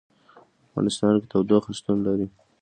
په افغانستان کې تودوخه شتون لري.